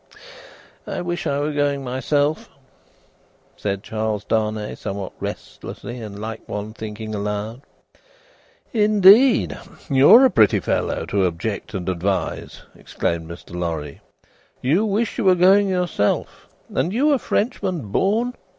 "I wish I were going myself," said Charles Darnay, somewhat restlessly, and like one thinking aloud. "Indeed! You are a pretty fellow to object and advise!" exclaimed Mr. Lorry. "You wish you were going yourself? And you a Frenchman born?